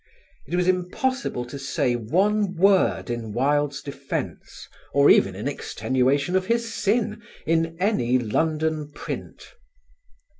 It was impossible to say one word in Wilde's defence or even in extenuation of his sin in any London print.